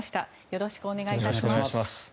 よろしくお願いします。